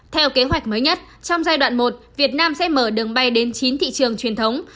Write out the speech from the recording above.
theo kế hoạch mới nhất trong giai đoạn một việt nam sẽ mở đường bay đến chín thị trường truyền thống